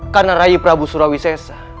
karena raya prabu surawi sesa